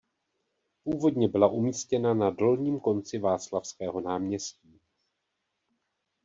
Původně byla umístěna na dolním konci Václavského náměstí.